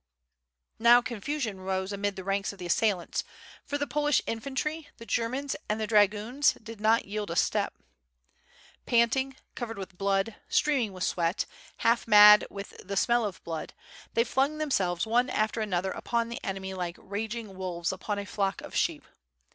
Now confusion rose amid the ranks of the assailants, for the Polish infantry, the Germans, and the dragoons did not yield a step. Panting, 45 yo6 WITH FIRE AND SWORD. covered with blood, streaming with sweat, half mad with the smell of blood, they flung themselves one after another upon the enemy like raging wolves upon a flock of sheep.